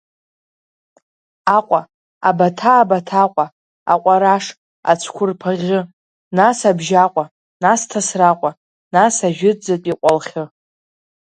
Аҟәа, Абаҭаа Баҭаҟәа, аҟәараш, ацәқәырԥа ӷьы, нас Абжьаҟәа, нас Ҭасраҟәа, нас ажәытәӡатәи Ҟәалхьы!